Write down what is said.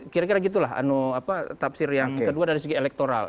kira kira gitu lah tafsir yang kedua dari segi elektoral